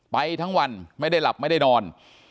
ไปทั้งวันไม่ได้หลับไม่ได้นอน